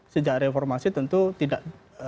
sejak reformasi tentu tidak